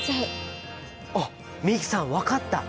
あっ美樹さん分かった！